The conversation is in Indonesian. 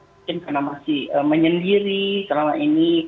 mungkin karena masih menyendiri selama ini